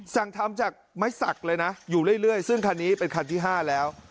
สั่งทำจากไม้สักเลยนะอยู่เรื่อยซึ่งคันนี้เป็นคันที่๕แล้ว